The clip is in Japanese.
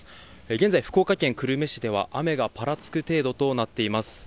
現在、福岡県久留米市では雨がぱらつく程度となっています。